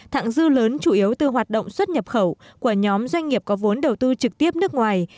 thẳng dư lớn chủ yếu từ hoạt động xuất nhập khẩu của nhóm doanh nghiệp có vốn đầu tư trực tiếp nước ngoài